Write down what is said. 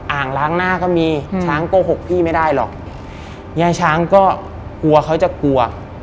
อ่างล้างหน้าก็มีช้างโกหกพี่ไม่ได้หรอกยายช้างก็กลัวเขาจะกลัว